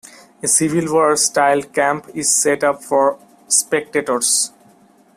A Civil-War style camp is set up for spectators.